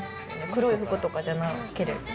黒い服とかじゃなければ。